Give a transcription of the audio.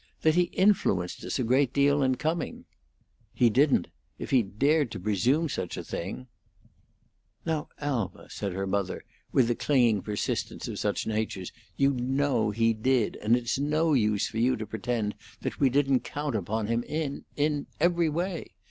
"That he influenced us a great deal in coming " "He didn't. If he dared to presume to think such a thing " "Now, Alma," said her mother, with the clinging persistence of such natures, "you know he did. And it's no use for you to pretend that we didn't count upon him in in every way.